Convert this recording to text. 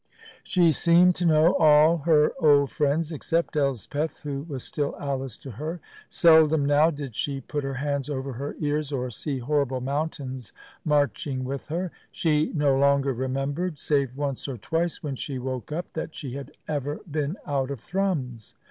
She seemed to know all her old friends except Elspeth, who was still Alice to her. Seldom now did she put her hands over her ears, or see horrible mountains marching with her. She no longer remembered, save once or twice when she woke up, that she had ever been out of Thrums.